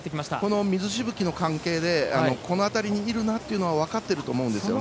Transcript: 水しぶきの関係でこの辺りにいるなというのは分かってると思うんですよね。